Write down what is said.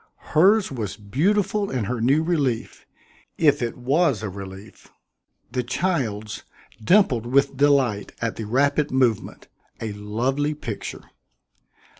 Hers was beautiful in her new relief if it was a relief the child's dimpled with delight at the rapid movement a lovely picture.